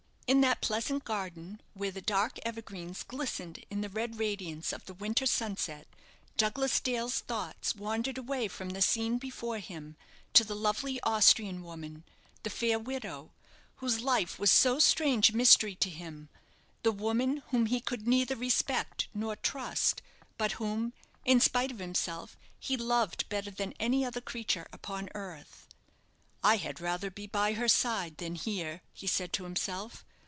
In that pleasant garden, where the dark evergreens glistened in the red radiance of the winter sunset, Douglas Dale's thoughts wandered away from the scene before him to the lovely Austrian woman the fair widow, whose life was so strange a mystery to him; the woman whom he could neither respect nor trust; but whom, in spite of himself, he loved better than any other creature upon earth. "I had rather be by her side than here," he said to himself.